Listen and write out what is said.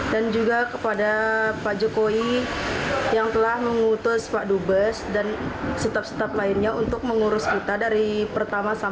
dan juga kepada pajak nusantara yang berpengalaman